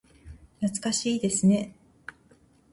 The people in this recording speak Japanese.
懐かしいですね。